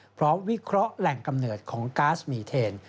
วิเคราะห์แหล่งกำเนิดของก๊าซมีเทน